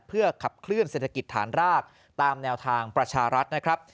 เพื่อขับเคลื่อนเศรษฐกิจฐานรากตามแนวทางประชารัฐนะครับ